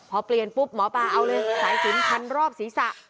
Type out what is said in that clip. พอเปลี่ยนปุ๊บหมอปลาเอาเลยสายสินพันรอบศีรษะ